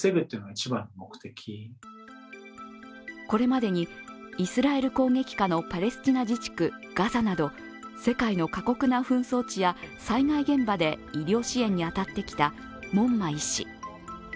これまでにイスラエル攻撃下のパレスチナ自治区ガザなど世界の過酷な紛争地や災害現場で医療支援に当たってきた門馬医師。